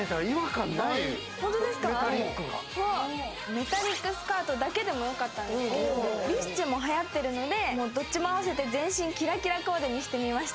メタリックスカートだけでもよかったんですけどビスチェもはやっているので、どっちも合わせて全身キラキラコーデにしてみました。